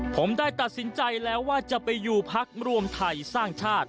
ผมได้ตัดสินใจแล้วว่าจะไปอยู่พักรวมไทยสร้างชาติ